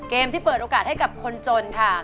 เกมที่เปิดโอกาสให้กับคนจนค่ะ